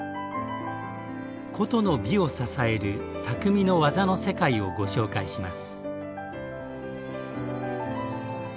古都の美を支える「匠の技の世界」をご紹介します。